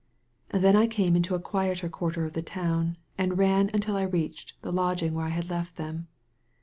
Then I came into a quieter quarter of the town, and ran until I reached the lodging where I had left them.